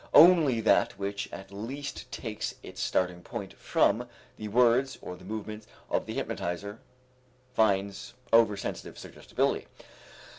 Only that which at least takes its starting point from the words or the movements of the hypnotizer finds over sensitive suggestibility.